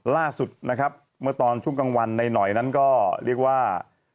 ล่าสุดนะครับเมื่อตอนช่วงกลางวันในหน่อยนั้นก็เรียกว่า